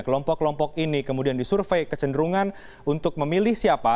kelompok kelompok ini kemudian disurvey kecenderungan untuk memilih siapa